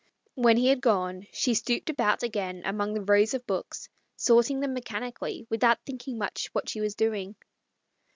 When he had gone, she stooped about again among the rows of books, sorting them mechanically, without thinking much what she was doing.